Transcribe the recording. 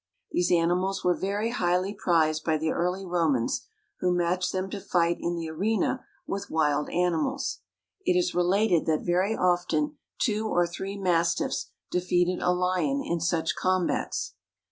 These animals were very highly prized by the early Romans, who matched them to fight in the arena with wild animals. It is related that very often two or three mastiffs defeated a lion in such combats.